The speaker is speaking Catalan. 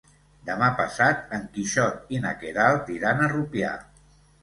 Demà passat en Quixot i na Queralt iran a Rupià.